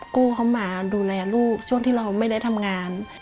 กู้เขามาดูแลลูกช่วงที่เราไม่ได้ทำงาน